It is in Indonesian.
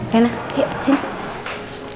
rena yuk sini